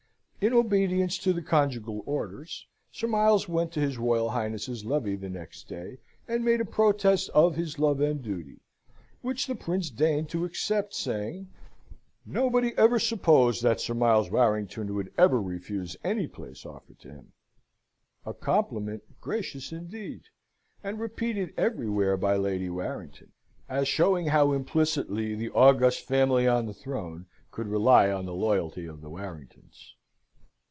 In obedience to the conjugal orders, Sir Miles went to his Royal Highness's levee the next day, and made a protest of his love and duty, which the Prince deigned to accept, saying: "Nobody ever supposed that Sir Miles Warrington would ever refuse any place offered to him." A compliment gracious indeed, and repeated everywhere by Lady Warrington, as showing how implicitly the august family on the throne could rely on the loyalty of the Warringtons.